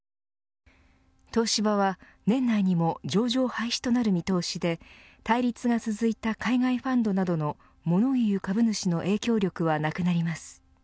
東芝は年内にも上場廃止となる見通しで対立が続いた海外ファンドなどのもの言う株主の影響力はなくなります。